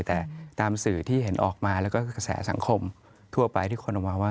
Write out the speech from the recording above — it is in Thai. แต่ตามสื่อที่เห็นออกมาแล้วก็คือกระแสสังคมทั่วไปที่คนออกมาว่า